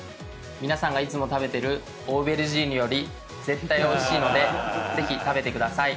皆さんがいつも食べてる「オーベルジーヌ」より絶対おいしいのでぜひ食べてください。